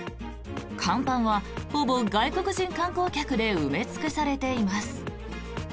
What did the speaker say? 甲板は、ほぼ外国人観光客で埋め尽くされています。